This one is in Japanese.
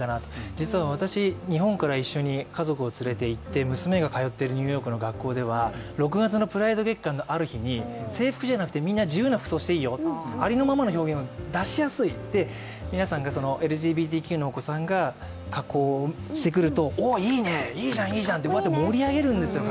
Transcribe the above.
実は私、日本から一緒に家族を連れていって娘が通っているニューヨークの学校では６月のプライド月間があるときに、制服じゃなくてみんな自由な服装をしていいよ、ありのままの表現を出しやすい、皆さんがＬＧＢＴＱのお子さんが格好をしてくるとお、いいね、いいじゃん、いいじゃんって盛り上げるんですよ。